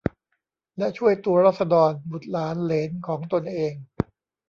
และช่วยตัวราษฎร บุตร หลาน เหลน ของตนเอง